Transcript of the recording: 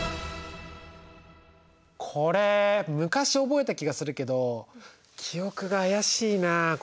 これ昔覚えた気がするけど記憶が怪しいなこれ。